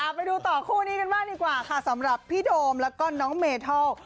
ไปดูต่อคู่นี้กันบ้างดีกว่าค่ะสำหรับพี่โดมแล้วก็น้องเมทัล